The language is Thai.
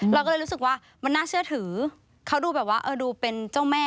เราก็เลยรู้สึกว่ามันน่าเชื่อถือเขาดูแบบว่าเออดูเป็นเจ้าแม่